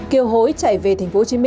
kiều hối chảy về tp hcm